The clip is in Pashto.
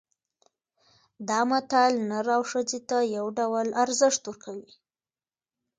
دا متل نر او ښځې ته یو ډول ارزښت ورکوي